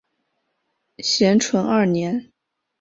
咸淳二年。